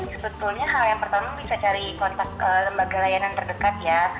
sebetulnya hal yang pertama bisa cari kontak lembaga layanan terdekat ya